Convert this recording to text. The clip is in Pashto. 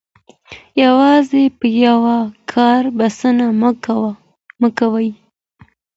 یوازې په یوه کار بسنه مه کوئ.